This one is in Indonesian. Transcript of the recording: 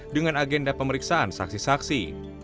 dengan agenda pemeriksaan saksi saksi